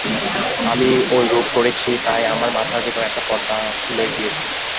আমি ঐরূপ করেছি, তাই আমার মাথার ভেতর একটা পর্দা খুলে গিয়েছে।